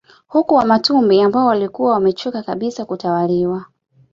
Huku Wamatumbi ambao walikuwa wamechoka kabisa kutawaliwa